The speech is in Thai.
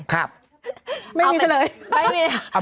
ไม่มีเฉลย